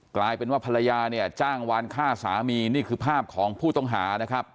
กลายเป็นว่าภรรยาเนี่ยจ้างวานฆ่าสามีนี่คือภาพของผู้ต้องหานะครับ